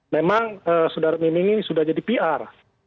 memang saudara miming ini sudah jadi pr